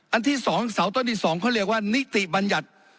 อันที่สองเสาต้นที่สองเขาเรียกว่านิติบัญญัติ